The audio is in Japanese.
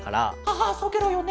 ああそうケロよね。